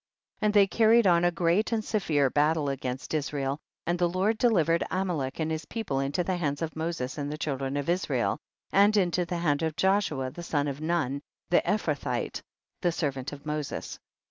54. And they carried on a great and severe battle against Israel, and the Lord delivered Amalek and his people into the hands of Moses and the children of Israel, and into the THE BOOK OF JASHER. 245 hand of Joshua the son of Nun, the Ephrathite, the servant of Moses.